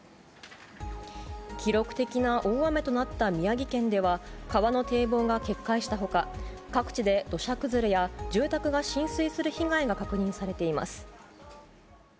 記録的な大雨となった宮城県では、川の堤防が決壊したほか、各地で土砂崩れや住宅が浸水する被害が確認されています。